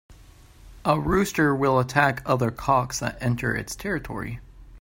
A rooster will attack other cocks that enter its territory.